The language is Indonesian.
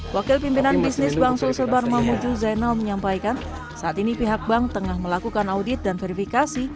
wakil pimpinan bisnis bang sulsebar mamuju zainal menyampaikan saat ini pihak bank tengah melakukan audit dan verifikasi